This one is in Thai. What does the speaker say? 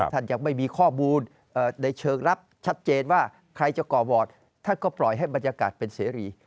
ท่านยังไม่มีข้อมูลในเชิงรับชัดเจนว่าใครจะก่อวอร์ดท่านก็ปล่อยให้บรรยากาศเป็นเสรี